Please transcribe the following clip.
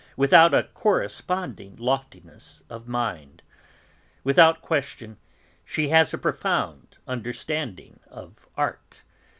without a corresponding loftiness of mind. Without question, she has a profound understanding of art.